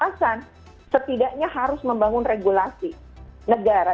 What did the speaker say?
alasan setidaknya harus membangun regulasi negara